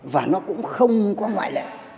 và nó cũng không có ngoại lệ